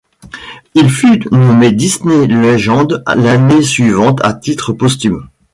Il fut nommé Disney Legend l'année suivante à titre posthume.